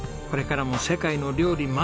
これからも世界の料理